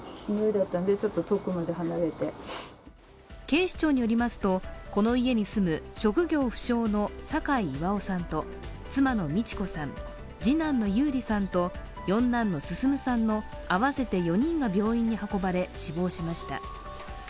警視庁によりますとこの家に住む職業不詳の酒井巌さんと妻の道子さん、次男の優里さんと四男の進さんの合わせて４人が病院に運ばれ死亡しました。